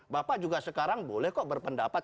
bapak juga sekarang boleh kok berpendapat